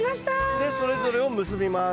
でそれぞれを結びます。